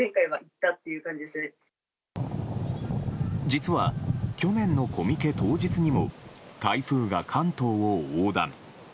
実は去年のコミケ当日にも台風が関東を横断。